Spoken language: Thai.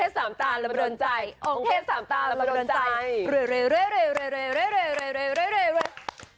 สำตาละเบิรินใจองค์เทซสำตาลเหล่าเบิรินใจองค์เทซสำตาลเหล่าเบิรินใจ